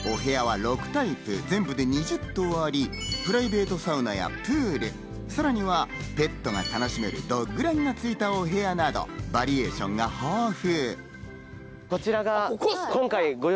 お部屋は６タイプ、全部で２０棟あり、プライベートサウナやプール、さらにはペットが楽しめるドッグランがついたお部屋など、バリエーションが豊富。